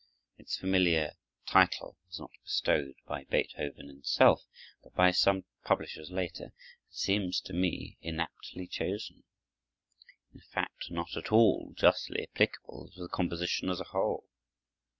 Its familiar title was not bestowed by Beethoven himself, but by some publishers later, and seems to me inaptly chosen; in fact, not at all justly applicable to the composition as a whole.